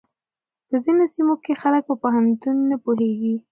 په ځينو سيمو کې خلک په پوهنتون نه پوهېږي.